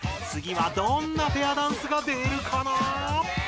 次はどんなペアダンスが出るかな！？